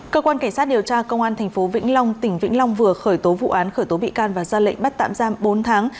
cơ quan cảnh sát điều tra công an tp vĩnh long tỉnh vĩnh long vừa khởi tố vụ án khởi tố bị can và ra lệnh bắt tạm giam bốn tháng